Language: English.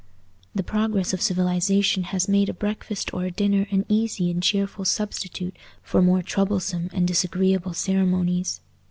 The progress of civilization has made a breakfast or a dinner an easy and cheerful substitute for more troublesome and disagreeable ceremonies.